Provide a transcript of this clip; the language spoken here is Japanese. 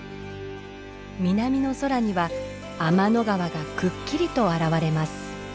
南の空には天の川がくっきりと現れます。